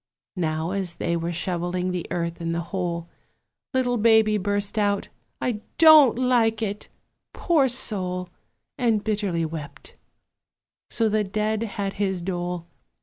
Now, as they were shovelling the earth in the hole, Little Baby burst out, "I don't like it!" poor soul! And bitterly wept. So the dead had his dole.